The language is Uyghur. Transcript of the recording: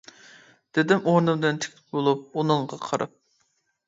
-دېدىم ئورنۇمدىن تىك بولۇپ ئۇنىڭغا قاراپ.